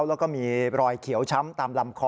แล้วก็มีรอยเขียวช้ำตามลำคอ